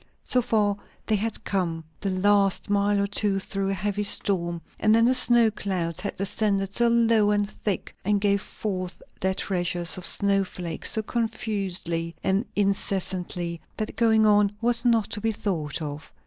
So far they had come, the last mile or two through a heavy storm; and then the snow clouds had descended so low and so thick, and gave forth their treasures of snow flakes so confusedly and incessantly, that going on was not to be thought of.